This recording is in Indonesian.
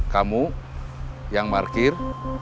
kamu yang markir